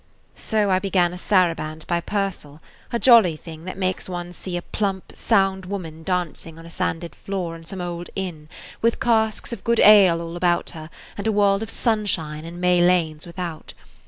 So I began a saraband by Purcell, a jolly thing that makes one see a plump, sound [Page 57] woman dancing on a sanded floor in some old inn, with casks of good ale all about her and a world of sunshine and May lanes without.